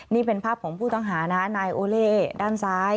นี่เป็นภาพของผู้ต้องหานะนายโอเล่ด้านซ้าย